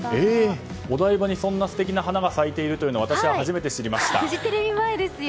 お台場にそんな素敵な花が咲いているというのをフジテレビ前ですよ。